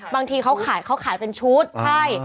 บางทีเขาขายเป็นชุดใช่